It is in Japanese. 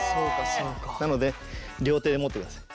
なので両手で持ってください。